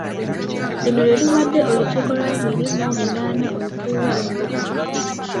Luno lwe lubadde olukiiko olw'abiri mu omunaana olutuula olw'okubiri.